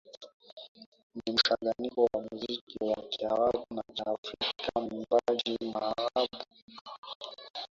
ni mchanganyiko wa musiki wa Kiarabu na kiafrika Mwimbaji maarufu wa Zanzibar akiwa wasanii